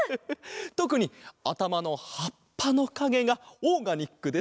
とくにあたまのはっぱのかげがオーガニックですてきだぞ。